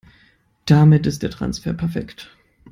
Damit ist der Transfer perfekt.